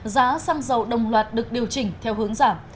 giá xăng dầu đồng loạt được điều chỉnh theo hướng giảm